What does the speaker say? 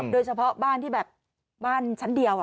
โดยเฉพาะบ้านที่แบบบ้านชั้นเดียว